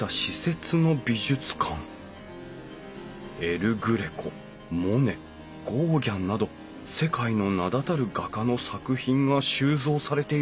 エル・グレコモネゴーギャンなど世界の名だたる画家の作品が収蔵されている。